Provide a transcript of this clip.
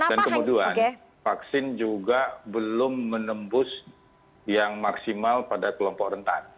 dan kemudian vaksin juga belum menembus yang maksimal pada kelompok rentan